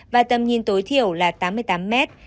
và tầm nhìn tối thiểu là tám mươi tám mét